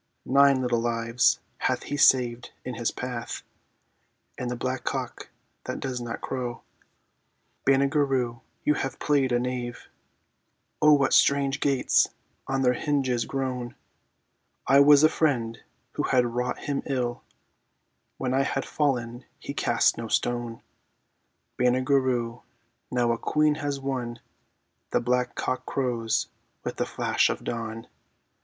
"Nine little lives hath he saved in his path ..." And the black cock that does not crow. Banagher Rhue, you have played a knave; (O what strange gates on their hinges groan!) "I was a friend who had wrought him ill; When I had fallen he cast no stone ..." Banagher Rhue, now a queen has won! (The black cock crows with the flash of dawn.)